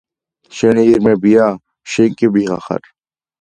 შენი ირმებია? შენ კი ვიღა ხარ?